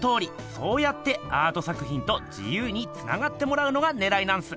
そうやってアート作ひんと自ゆうにつながってもらうのがねらいなんす。